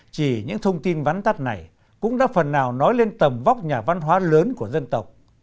chỉ những thông tin vắn tắt này cũng đã phần nào nói lên tầm vóc nhà văn hóa lớn của dân tộc